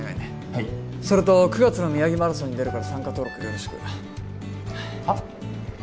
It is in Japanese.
はいそれと９月の宮城マラソンに出るから参加登録よろしくはっ？